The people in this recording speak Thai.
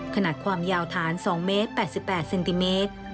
ขนาดความยาวฐาน๒เมตร๘๘เซนติเมตร